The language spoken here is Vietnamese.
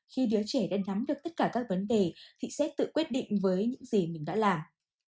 khi đứa trẻ đã nắm được tất cả các vấn đề thị xét tự quyết định với những gì mình đã làm